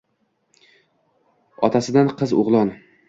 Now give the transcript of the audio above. Otasidan — qiz, o’g’lon